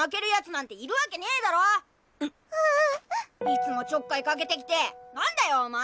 いつもちょっかいかけてきてなんだよお前！